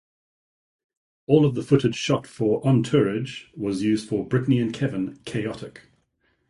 All of the footage shot for "OnTourage" was used for "Britney and Kevin: Chaotic".